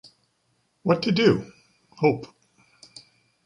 What to do? Hope.